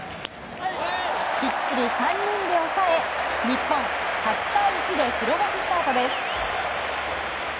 きっちり３人で抑え日本８対１で白星スタートです。